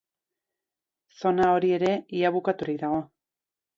Zona hori ere ia bukaturik dago.